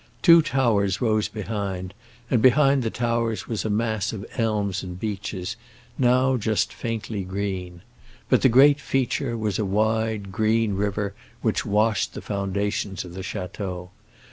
Two towers rose behind, and behind the towers was a mass of elms and beeches, now just faintly green. But the great feature was a wide, green river which washed the foundations of the château.